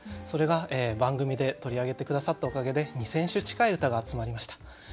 それが番組で取り上げて下さったおかげで二千首近い歌が集まりました。